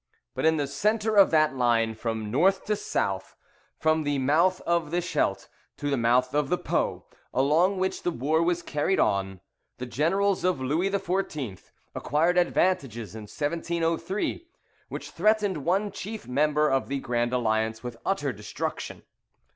But in the centre of that line from north to south, from the mouth of the Scheldt to the mouth of the Po, along which the war was carried on, the generals of Louis XIV. acquired advantages in 1703, which threatened one chief member of the Grand Alliance with utter destruction.